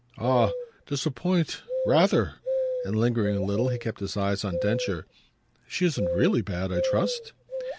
"Ah 'disappoint' rather!" And, lingering a little, he kept his eyes on Densher. "She isn't really bad, I trust?"